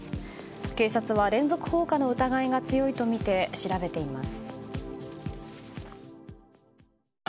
警察は、連続放火の疑いが強いとみて調べています。